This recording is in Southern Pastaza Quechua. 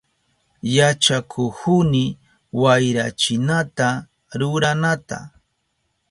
Yachakuhuni wayrachinata ruranata.